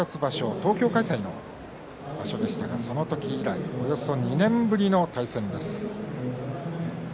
東京開催の場所でしたがその時以来およそ２年ぶりの対戦です。